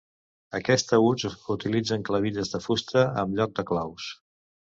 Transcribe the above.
Aquests taüts utilitzen clavilles de fusta en lloc de claus.